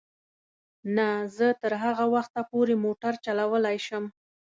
نه، زه تر هغه وخته پورې موټر چلولای شم.